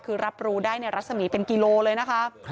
คือรับรู้ได้ในรัศมีเป็นกิโลเลยนะคะ